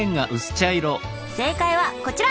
正解はこちら！